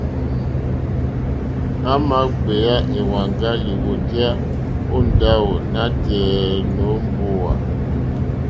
À mà gbèyá èwàŋgá lìwòtéyá ó ndáwò nǎtɛ̀ɛ̀ nǒ mbówà.